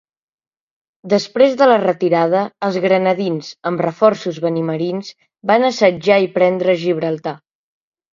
Després de la retirada, els granadins, amb reforços benimerins van assetjar i prendre Gibraltar.